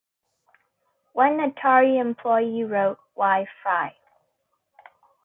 One Atari employee wrote Why Frye?